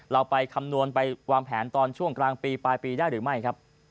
เราไปคำนวณไปวางแผนตอนช่วงกลางปีปลายปีได้หรือไม่ครับ